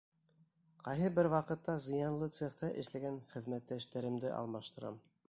Ҡайһы бер ваҡытта «зыянлы» цехта эшләгән хеҙмәттәштәремде алмаштырам.